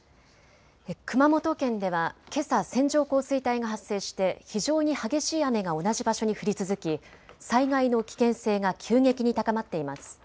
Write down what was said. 熊本県では、けさ線状降水帯が発生して非常に激しい雨が同じ場所に降り続き災害の危険性が急激に高まっています。